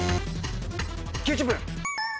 ９０分！